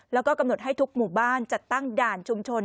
แล้วก็กำหนดให้ทุกหมู่บ้านจัดตั้งด่านชุมชน